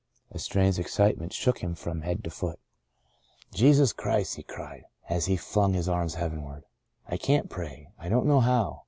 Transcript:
A strange excitement shook him from head to foot. " Jesus Christ," he cried, as he flung his arms heavenward, "I can't pray — I don't know how.